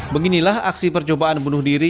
beginilah aksi percobaan bunuh diri